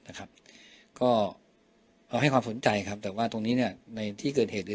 นะครับก็เอาให้ความสนใจครับแต่ว่าตรงนี้เนี่ยในที่เกิดเหตุหรือ